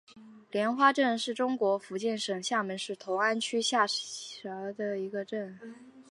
莲花镇是中国福建省厦门市同安区下辖的一个镇。